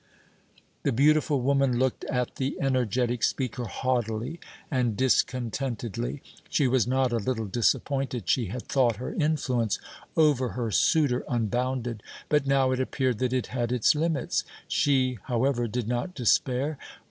The beautiful woman looked at the energetic speaker haughtily and discontentedly. She was not a little disappointed. She had thought her influence over her suitor unbounded, but now it appeared that it had its limits. She, however, did not despair.